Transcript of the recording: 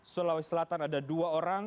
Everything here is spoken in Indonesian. sulawesi selatan ada dua orang